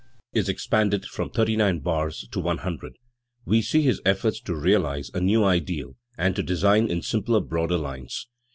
I r ^ V ^, is expanded from thirty nine bars to one hundred, we see his effort to realise a new ideal, and to design in simpler, broader lines.